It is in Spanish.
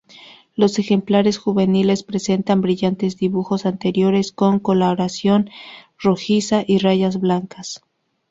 Los ejemplares juveniles presentan brillantes dibujos anteriores con coloración rojiza y rayas blancas.